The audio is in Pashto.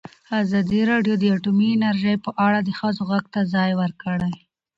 ازادي راډیو د اټومي انرژي په اړه د ښځو غږ ته ځای ورکړی.